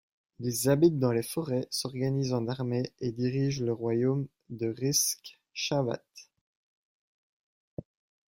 Ils habitent dans les forêts, s'organisent en armées et dirigent le royaume de Riskshavat.